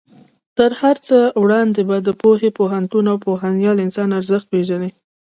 تر هر څه وړاندې به د پوهې، پوهنتون او پوهیال انسان ارزښت پېژنې.